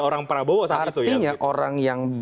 orang prabowo saat itu artinya orang yang